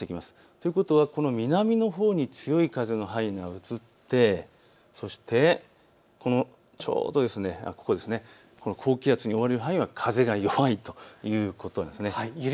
ということはこの南のほうに強い風の範囲が移ってそして高気圧に覆われる範囲は風が弱いということなんです。